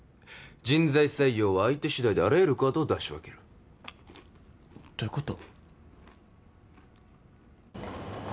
人材採用は相手次第であらゆるカードを出し分けるどういうこと？